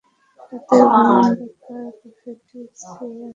রাতের ঘন অন্ধকার কাফেলাটি ছেয়ে আছে।